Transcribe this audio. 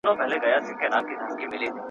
ژوند مي جهاني یوه شېبه پر باڼو ولیکه.